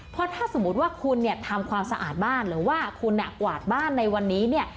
เพราะถ้าสมมุติว่าคุณเนี่ยทำความสะอาดบ้านหรือว่าคุณกวาดบ้านในวันนี้เนี่ย